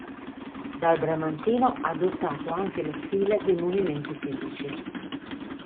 Dal Bramantino ha adottato anche lo stile dei movimenti fisici.